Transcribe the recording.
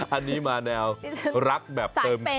อันนี้มาแนวรักแบบเฟิร์ม